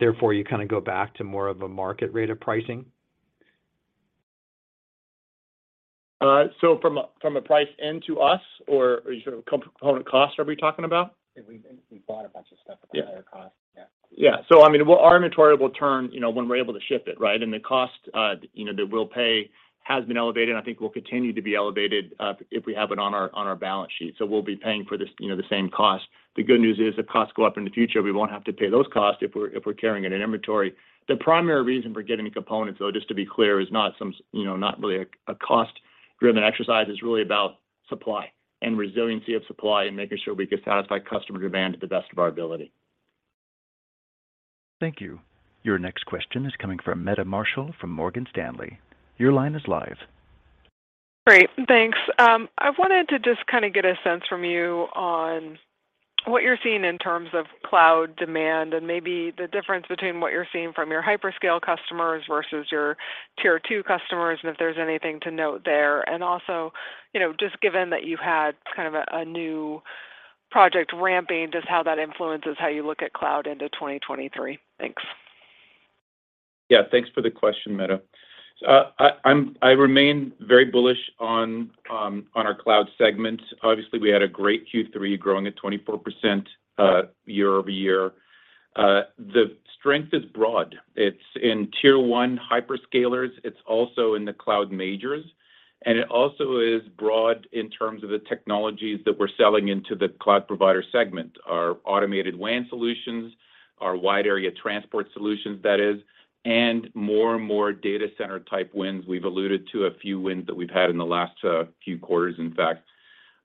therefore you kind of go back to more of a market rate of pricing? From a pricing to us, or are you sort of component cost, are we talking about? I think we bought a bunch of stuff at the higher cost. Yeah. Yeah. Yeah. I mean, well, our inventory will turn, you know, when we're able to ship it, right? The cost, you know, that we'll pay has been elevated, and I think will continue to be elevated, if we have it on our balance sheet. We'll be paying for this, you know, the same cost. The good news is if costs go up in the future, we won't have to pay those costs if we're carrying it in inventory. The primary reason for getting the components, though, just to be clear, is not really a cost-driven exercise. It's really about supply and resiliency of supply and making sure we can satisfy customer demand to the best of our ability. Thank you. Your next question is coming from Meta Marshall from Morgan Stanley. Your line is live. Great. Thanks. I wanted to just kind of get a sense from you on what you're seeing in terms of cloud demand and maybe the difference between what you're seeing from your hyperscale customers versus your tier two customers, and if there's anything to note there and also, you know, just given that you had kind of a new project ramping, just how that influences how you look at cloud into 2023. Thanks. Yeah. Thanks for the question, Meta. I remain very bullish on our cloud segment. Obviously, we had a great Q3 growing at 24% year-over-year. The strength is broad. It's in tier one hyperscalers, it's also in the cloud majors, and it also is broad in terms of the technologies that we're selling into the cloud provider segment. Our automated WAN solutions, our wide area transport solutions, and more and more data center type wins. We've alluded to a few wins that we've had in the last few quarters in fact.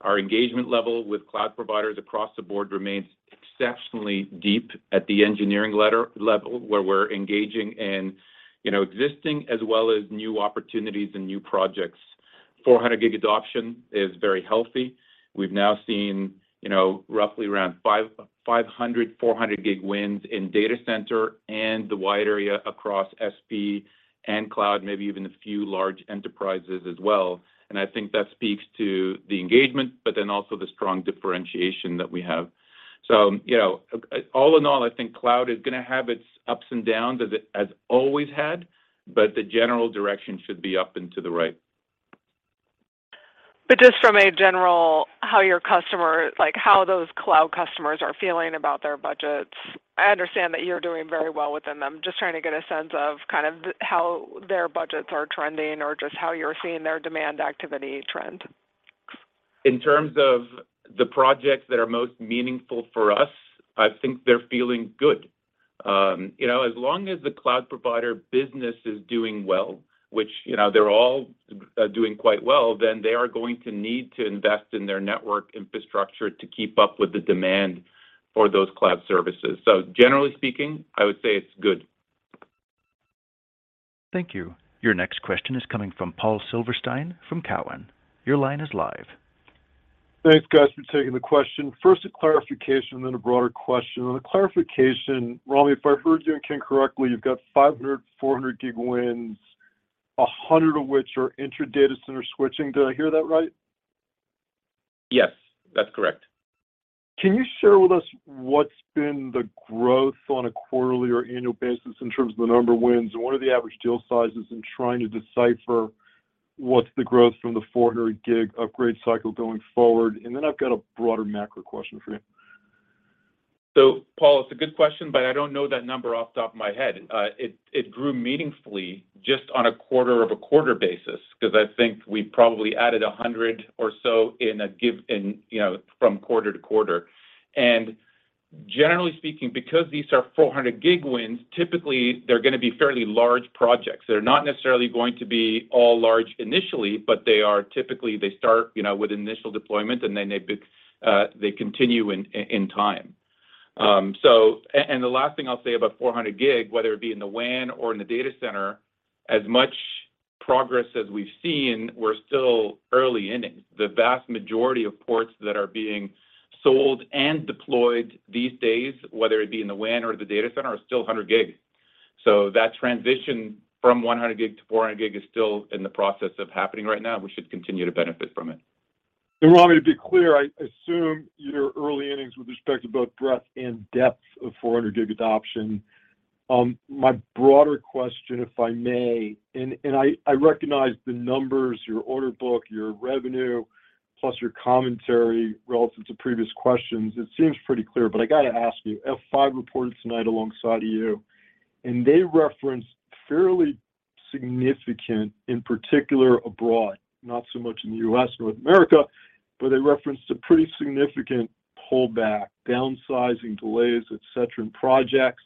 Our engagement level with cloud providers across the board remains exceptionally deep at the engineering level where we're engaging in, you know, existing as well as new opportunities and new projects. 400G adoption is very healthy. We've now seen, you know, roughly around 500, 400G wins in data center and the wide area across SP and cloud, maybe even a few large enterprises as well. I think that speaks to the engagement, but then also the strong differentiation that we have. You know, all in all, I think cloud is gonna have its ups and downs as it has always had, but the general direction should be up and to the right. Just from a general how your customer like how those cloud customers are feeling about their budgets. I understand that you're doing very well within them. Just trying to get a sense of kind of the how their budgets are trending or just how you're seeing their demand activity trend. In terms of the projects that are most meaningful for us, I think they're feeling good. You know, as long as the cloud provider business is doing well, which, you know, they're all doing quite well, then they are going to need to invest in their network infrastructure to keep up with the demand for those cloud services. Generally speaking, I would say it's good. Thank you. Your next question is coming from Paul Silverstein from Cowen. Your line is live. Thanks, guys, for taking the question. First a clarification, then a broader question. On the clarification, Rami, if I heard you and Ken correctly, you've got 500, 400G wins, 100 of which are intra data center switching. Did I hear that right? Yes, that's correct. Can you share with us what's been the growth on a quarterly or annual basis in terms of the number of wins and what are the average deal sizes in trying to decipher what's the growth from the 400G upgrade cycle going forward? I've got a broader macro question for you. Paul, it's a good question, but I don't know that number off the top of my head. It grew meaningfully just on a quarter-over-quarter basis 'cause I think we probably added 100 or so, you know, from quarter to quarter. Generally speaking, because these are 400G wins, typically they're gonna be fairly large projects. They're not necessarily going to be all large initially, but they are typically, they start, you know, with initial deployment and then they continue in time. And the last thing I'll say about 400G, whether it be in the WAN or in the data center, as much progress as we've seen, we're still early innings. The vast majority of ports that are being sold and deployed these days, whether it be in the WAN or the data center, are still 100G. That transition from 100G-400G is still in the process of happening right now. We should continue to benefit from it. Rami, to be clear, I assume you're early innings with respect to both breadth and depth of 400G adoption. My broader question, if I may, and I recognize the numbers, your order book, your revenue, plus your commentary relative to previous questions. It seems pretty clear, but I got to ask you, F5 reported tonight alongside of you, and they referenced fairly significant, in particular abroad, not so much in the U.S., North America, but they referenced a pretty significant pullback, downsizing, delays, et cetera, in projects.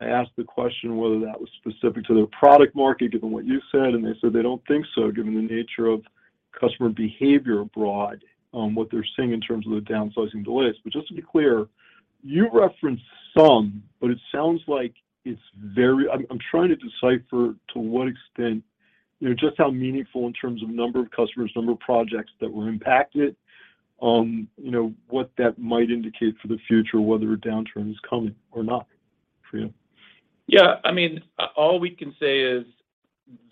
I asked the question whether that was specific to their product market, given what you said, and they said they don't think so, given the nature of customer behavior abroad, what they're seeing in terms of the downsizing delays. But just to be clear, you referenced some, but it sounds like it's very. I'm trying to decipher to what extent, you know, just how meaningful in terms of number of customers, number of projects that were impacted, you know, what that might indicate for the future, whether a downturn is coming or not for you. Yeah. I mean, all we can say is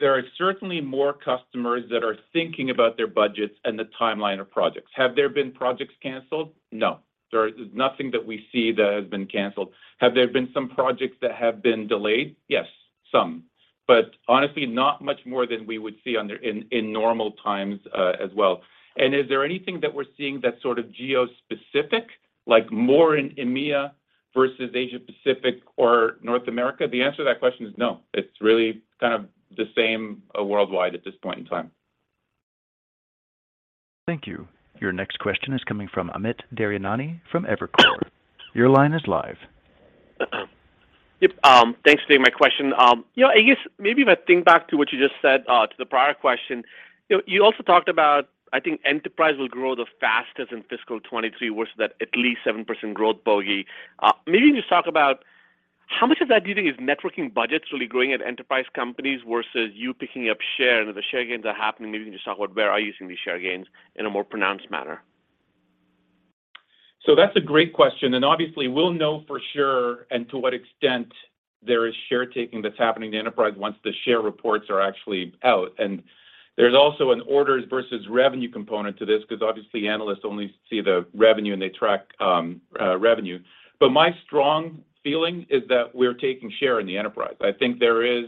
there are certainly more customers that are thinking about their budgets and the timeline of projects. Have there been projects canceled? No. There is nothing that we see that has been canceled. Have there been some projects that have been delayed? Yes, some. But honestly, not much more than we would see in normal times, as well. Is there anything that we're seeing that's sort of geo-specific, like more in EMEA versus Asia-Pacific or North America? The answer to that question is no. It's really kind of the same worldwide at this point in time. Thank you. Your next question is coming from Amit Daryanani from Evercore. Your line is live. Yep. Thanks for taking my question. You know, I guess maybe if I think back to what you just said to the prior question. You also talked about, I think enterprise will grow the fastest in fiscal 2023, worth at least 7% growth bogey. Maybe you just talk about how much of that do you think is networking budgets really growing at enterprise companies versus you picking up share and the share gains are happening. Maybe you can just talk about where are you seeing these share gains in a more pronounced manner. That's a great question, and obviously we'll know for sure and to what extent there is share taking that's happening in the enterprise once the share reports are actually out. There's also an orders versus revenue component to this, because obviously analysts only see the revenue and they track revenue. My strong feeling is that we're taking share in the enterprise. I think there is,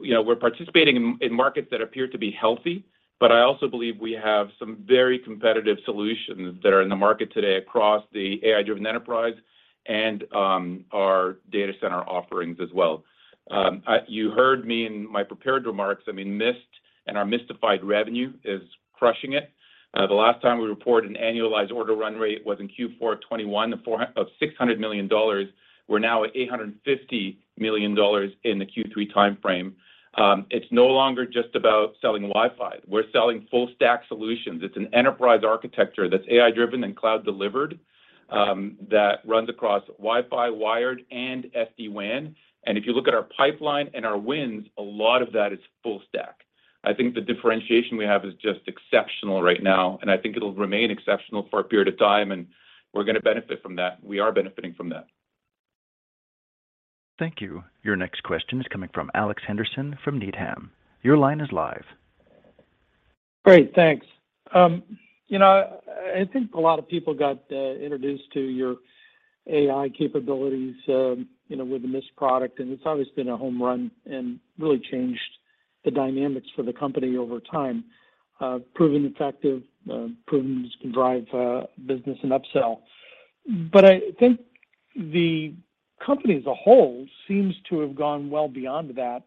you know, we're participating in markets that appear to be healthy, but I also believe we have some very competitive solutions that are in the market today across the AI-Driven Enterprise and our data center offerings as well. You heard me in my prepared remarks, I mean, Mist and our mistified revenue is crushing it. The last time we reported an annualized order run rate was in Q4 of 2021 of $600 million. We're now at $850 million in the Q3 timeframe. It's no longer just about selling Wi-Fi. We're selling full stack solutions. It's an enterprise architecture that's AI-Driven and cloud delivered, that runs across Wi-Fi, wired, and SD-WAN. If you look at our pipeline and our wins, a lot of that is full stack. I think the differentiation we have is just exceptional right now, and I think it'll remain exceptional for a period of time, and we're going to benefit from that. We are benefiting from that. Thank you. Your next question is coming from Alex Henderson from Needham. Your line is live. Great, thanks. You know, I think a lot of people got introduced to your AI capabilities, you know, with the Mist product, and it's always been a home run and really changed the dynamics for the company over time. Proven effective, proven this can drive business and upsell. I think the company as a whole seems to have gone well beyond that.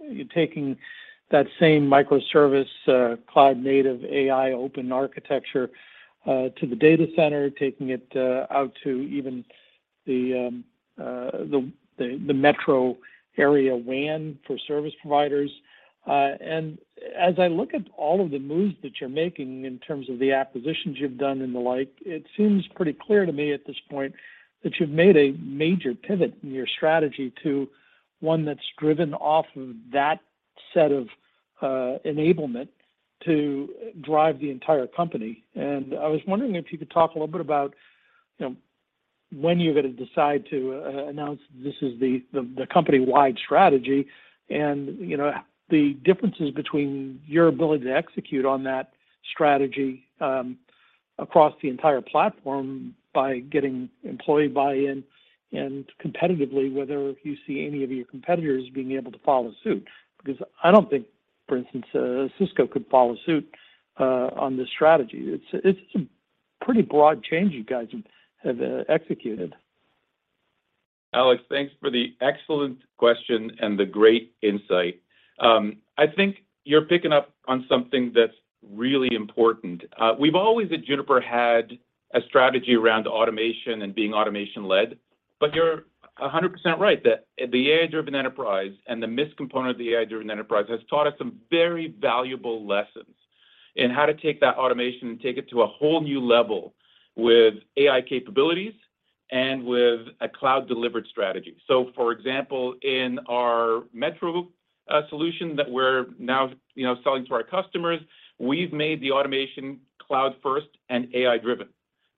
You're taking that same microservice, cloud native AI open architecture, to the data center, taking it out to even the metro area WAN for service providers. As I look at all of the moves that you're making in terms of the acquisitions you've done and the like, it seems pretty clear to me at this point that you've made a major pivot in your strategy to one that's driven off of that set of enablement to drive the entire company. I was wondering if you could talk a little bit about, you know, when you're going to decide to announce this is the company-wide strategy and, you know, the differences between your ability to execute on that strategy across the entire platform by getting employee buy-in and competitively, whether you see any of your competitors being able to follow suit. Because I don't think, for instance, Cisco could follow suit on this strategy. It's a pretty broad change you guys have executed. Alex, thanks for the excellent question and the great insight. I think you're picking up on something that's really important. We've always at Juniper had a strategy around automation and being automation led, but you're 100% right that the AI-Driven Enterprise and the Mist component of the AI-Driven Enterprise has taught us some very valuable lessons in how to take that automation and take it to a whole new level with AI capabilities and with a cloud-delivered strategy. For example, in our metro solution that we're now, you know, selling to our customers, we've made the automation cloud first and AI-Driven.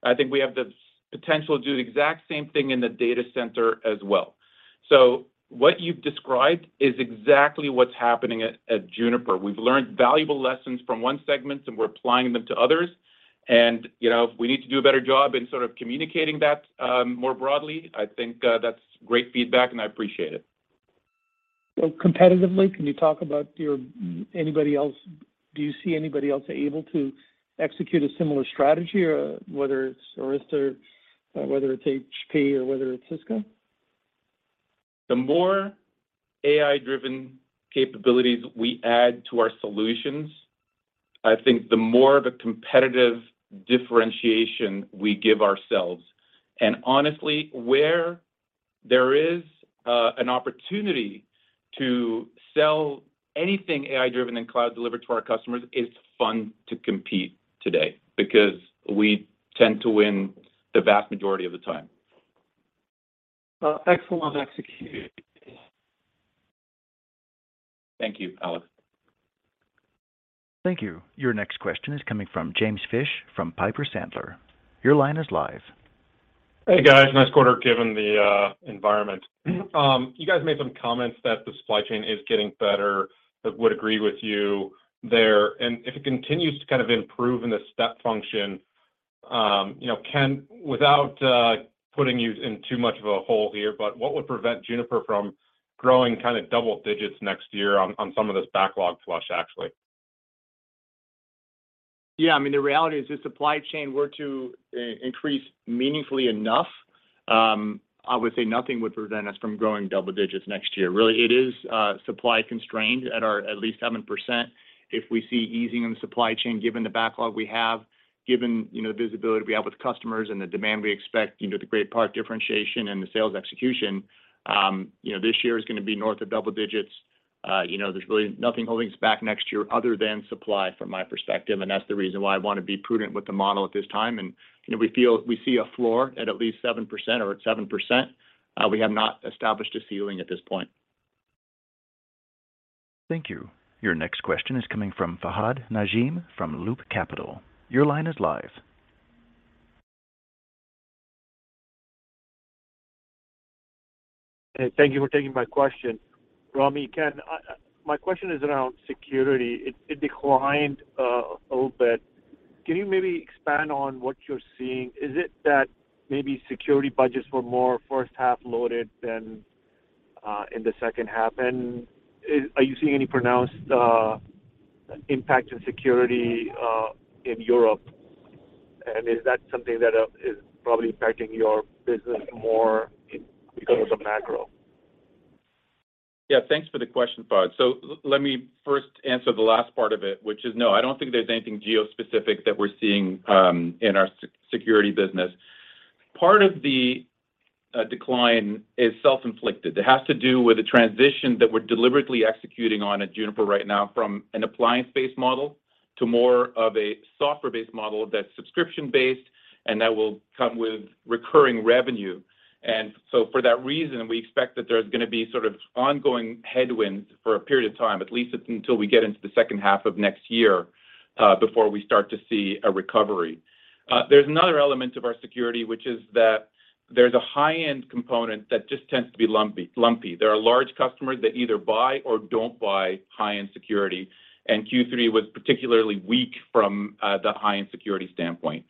I think we have the potential to do the exact same thing in the data center as well. What you've described is exactly what's happening at Juniper. We've learned valuable lessons from one segment, and we're applying them to others. You know, if we need to do a better job in sort of communicating that, more broadly, I think, that's great feedback, and I appreciate it. Well, competitively, can you talk about anybody else? Do you see anybody else able to execute a similar strategy or whether it's Arista, whether it's HP or whether it's Cisco? The more AI-Driven capabilities we add to our solutions, I think the more of a competitive differentiation we give ourselves. Honestly, where there is an opportunity to sell anything AI-Driven and cloud delivered to our customers, it's fun to compete today because we tend to win the vast majority of the time. Well, excellent execution. Thank you, Alex. Thank you. Your next question is coming from James Fish from Piper Sandler. Your line is live. Hey, guys. Nice quarter given the environment. You guys made some comments that the supply chain is getting better. I would agree with you there. If it continues to kind of improve in the step function, you know, Ken, without putting you in too much of a hole here, but what would prevent Juniper from growing kind of double digits next year on some of this backlog flush, actually? Yeah. I mean, the reality is if supply chain were to increase meaningfully enough, I would say nothing would prevent us from growing double digits next year. Really, it is supply constrained at least 7%. If we see easing in the supply chain, given the backlog we have, given, you know, the visibility we have with customers and the demand we expect, you know, the great product differentiation and the sales execution, you know, this year is going to be north of double digits. You know, there's really nothing holding us back next year other than supply from my perspective, and that's the reason why I want to be prudent with the model at this time. You know, we feel we see a floor at least 7% or at 7%. We have not established a ceiling at this point. Thank you. Your next question is coming from Fahad Najam from Loop Capital. Your line is live. Thank you for taking my question. Rami, Ken, my question is around security. It declined a little bit. Can you maybe expand on what you're seeing? Is it that maybe security budgets were more first half loaded than in the second half? Are you seeing any pronounced impact to security in Europe? Is that something that is probably impacting your business more because of the macro? Yeah. Thanks for the question, Fahad. Let me first answer the last part of it, which is no, I don't think there's anything geo-specific that we're seeing in our security business. Part of the decline is self-inflicted. It has to do with the transition that we're deliberately executing on at Juniper right now from an appliance-based model to more of a software-based model that's subscription-based and that will come with recurring revenue. For that reason, we expect that there's going to be sort of ongoing headwinds for a period of time, at least until we get into the second half of next year before we start to see a recovery. There's another element of our security, which is that there's a high-end component that just tends to be lumpy. There are large customers that either buy or don't buy high-end security, and Q3 was particularly weak from the high-end security standpoint.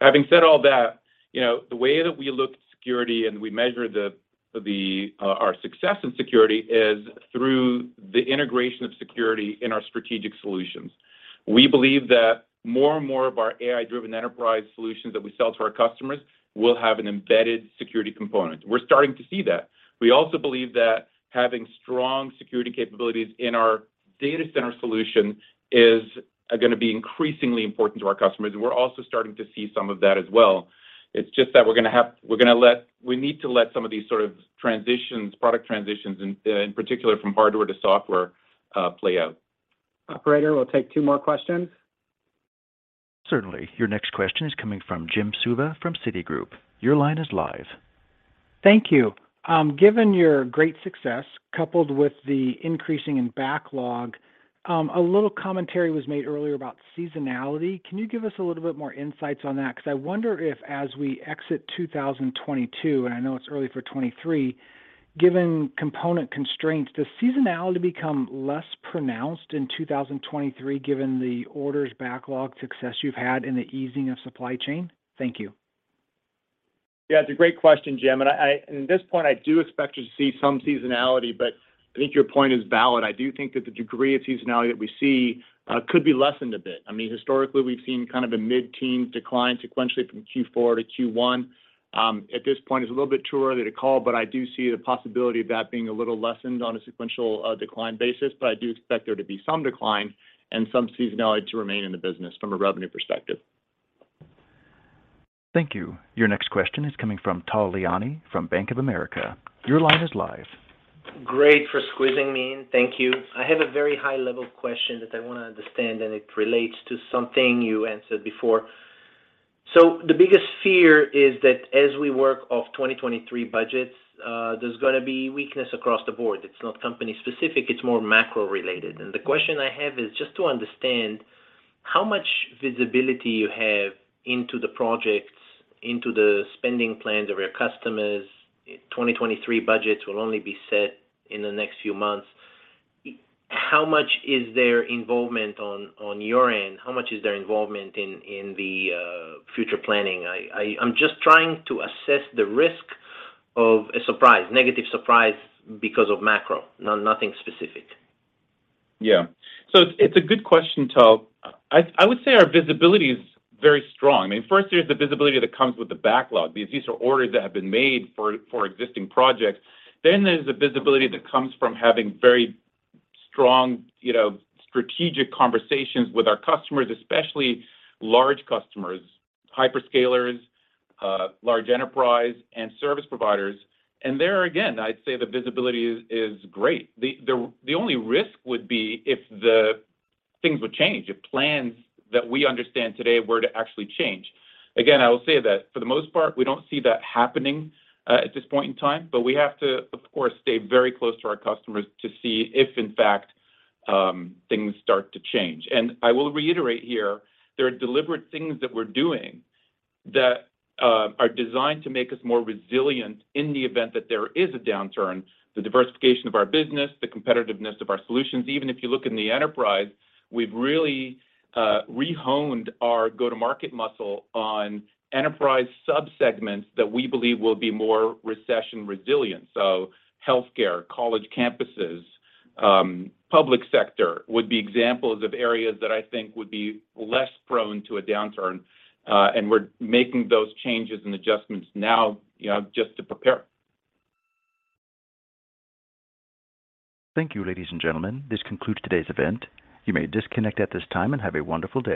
Having said all that, you know, the way that we look at security and we measure our success in security is through the integration of security in our strategic solutions. We believe that more and more of our AI-Driven Enterprise solutions that we sell to our customers will have an embedded security component. We're starting to see that. We also believe that having strong security capabilities in our data center solution is going to be increasingly important to our customers, and we're also starting to see some of that as well. It's just that we're going to have. We need to let some of these sort of transitions, product transitions in particular from hardware to software, play out. Operator, we'll take two more questions. Certainly. Your next question is coming from Jim Suva from Citigroup. Your line is live. Thank you. Given your great success coupled with the increase in backlog, a little commentary was made earlier about seasonality. Can you give us a little bit more insights on that? 'Cause I wonder if as we exit 2022, and I know it's early for 2023, given component constraints, does seasonality become less pronounced in 2023 given the orders backlog success you've had and the easing of supply chain? Thank you. Yeah, it's a great question, Jim. At this point I do expect to see some seasonality, but I think your point is valid. I do think that the degree of seasonality that we see could be lessened a bit. I mean, historically, we've seen kind of a mid-teen decline sequentially from Q4-Q1. At this point it's a little bit too early to call, but I do see the possibility of that being a little lessened on a sequential decline basis. I do expect there to be some decline and some seasonality to remain in the business from a revenue perspective. Thank you. Your next question is coming from Tal Liani from Bank of America. Your line is live. Great for squeezing me in. Thank you. I have a very high-level question that I want to understand, and it relates to something you answered before. The biggest fear is that as we work off 2023 budgets, there's going to be weakness across the board. It's not company specific, it's more macro related. The question I have is just to understand how much visibility you have into the projects, into the spending plans of your customers. 2023 budgets will only be set in the next few months. How much is their involvement on your end? How much is their involvement in the future planning? I'm just trying to assess the risk of a surprise, negative surprise because of macro, nothing specific. Yeah. It's a good question, Tal. I would say our visibility is very strong. I mean, first there's the visibility that comes with the backlog because these are orders that have been made for existing projects. There's the visibility that comes from having very strong, you know, strategic conversations with our customers, especially large customers, hyperscalers, large enterprise and service providers. There again, I'd say the visibility is great. The only risk would be if the things would change, if plans that we understand today were to actually change. Again, I will say that for the most part, we don't see that happening at this point in time, but we have to, of course, stay very close to our customers to see if in fact things start to change. I will reiterate here, there are deliberate things that we're doing that are designed to make us more resilient in the event that there is a downturn, the diversification of our business, the competitiveness of our solutions. Even if you look in the enterprise, we've really re-honed our go-to-market muscle on enterprise sub-segments that we believe will be more recession resilient. So healthcare, college campuses, public sector would be examples of areas that I think would be less prone to a downturn. We're making those changes and adjustments now, you know, just to prepare. Thank you, ladies and gentlemen. This concludes today's event. You may disconnect at this time, and have a wonderful day.